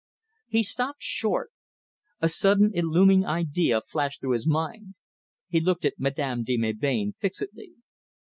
He stopped short. A sudden illumining idea flashed through his mind. He looked at Madame de Melbain fixedly.